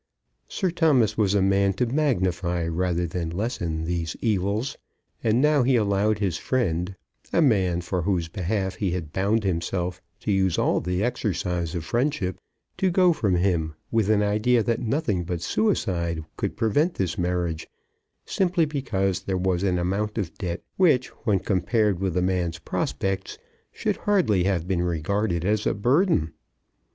Sir Thomas was a man to magnify rather than lessen these evils. And now he allowed his friend, a man for whose behalf he had bound himself to use all the exercise of friendship, to go from him with an idea that nothing but suicide could prevent this marriage, simply because there was an amount of debt, which, when compared with the man's prospects, should hardly have been regarded as a burden!